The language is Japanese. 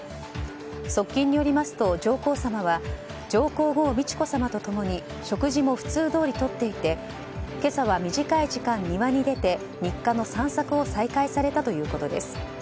側近によりますと上皇さまは上皇后・美智子さまと共に食事も普通どおりとっていて今朝は短い時間庭に出て日課の散策を再開されたということです。